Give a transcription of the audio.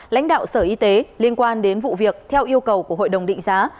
lãnh đạo sở y tế liên quan đến vụ việc theo yêu cầu của hội đồng định giá